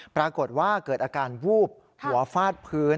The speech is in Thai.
ปรากฏว่าเกิดอาการวูบหัวฟาดพื้น